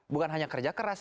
bukan hanya kerja keras